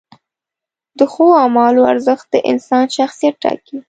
د ښو اعمالو ارزښت د انسان شخصیت ټاکي.